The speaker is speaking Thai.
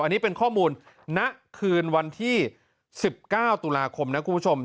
อันนี้เป็นข้อมูลณคืนวันที่๑๙ตุลาคมนะคุณผู้ชม